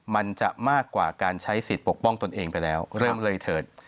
มันจะมากกว่าการใช้สิทธิ์ปกป้องตนเองไปแล้วเริ่มเลยเถิด